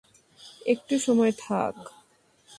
একটু সময় থাক।